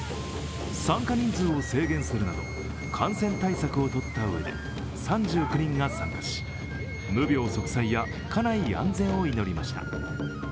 参加人数を制限するなど、感染対策をとったうえで３９人が参加し、無病息災や家内安全を祈りました。